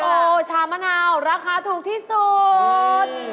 โอ้โหชามะนาวราคาถูกที่สุด